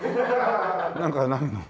なんかないの？